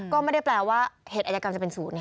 ก็ไม่ได้แปลว่าเหตุอายกรรมจะเป็นศูนย์